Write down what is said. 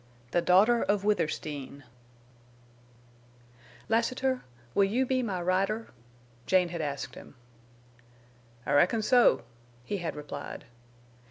THE DAUGHTER OF WITHERSTEEN "Lassiter, will you be my rider?" Jane had asked him. "I reckon so," he had replied.